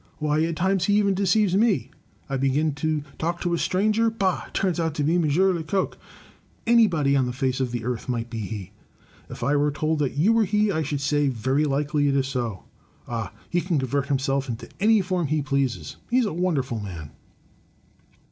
Why, at times he even deceives me. I begin to talk to a stranger — bah! it turns out to be M. Lecoq! Anybody on the face of the earth might be he. If I were told that you were he, I should say * Very likely it is so.* Ah ! he can convert himself into any form he pleases. He is a wonderful man!'